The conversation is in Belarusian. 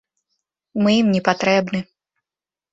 Мы ім не патрэбны.